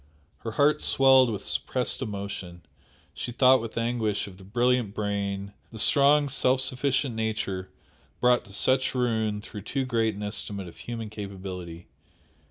Her heart swelled with suppressed emotion, she thought with anguish of the brilliant brain, the strong, self sufficient nature brought to such ruin through too great an estimate of human capability.